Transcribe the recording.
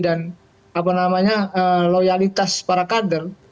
dan loyelitas para kader